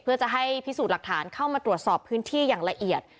เพื่อจะให้พิสูจน์หลักฐานเข้ามาตรวจสอบพื้นที่อย่างละเอียด